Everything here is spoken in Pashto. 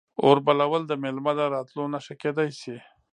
اور بلول د میلمه د راتلو نښه کیدی شي.